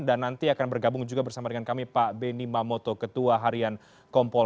dan nanti akan bergabung juga bersama dengan kami pak benny mamoto ketua harian kompol